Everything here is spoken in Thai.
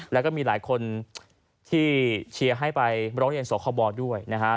แล้วก็มีหลายคนที่เชียร์ให้ไปร้องเรียนสคบด้วยนะฮะ